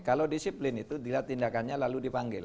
kalau disiplin itu tindakannya lalu dipanggil